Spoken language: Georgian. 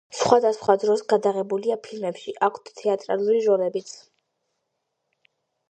სხვადასხვა დროს გადაღებულია ფილმებში, აქვს თეატრალური როლებიც.